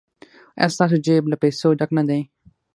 ایا ستاسو جیب له پیسو ډک نه دی؟